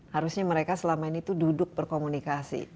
harusnya mereka selama ini duduk berkomunikasi